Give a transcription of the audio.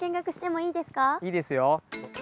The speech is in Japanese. いいですよ。